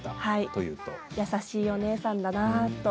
優しいお姉さんだなと。